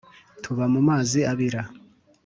Tuba mu mazi abira